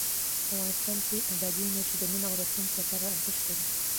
افغانستان کې بادي انرژي د نن او راتلونکي لپاره ارزښت لري.